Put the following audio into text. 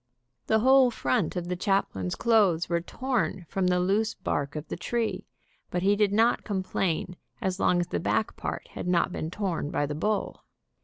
The whole front of the chaplain's clothes were torn from the loose bark of the tree, but he did not complain as long as the back part had not been torn by the bull.